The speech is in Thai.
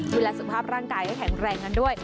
ดูแลสุขภาพร่างกายให้แข็งแรงกันด้วย